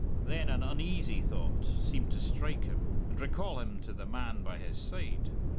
Then an uneasy thought seemed to strike him and recall him to the man by his side.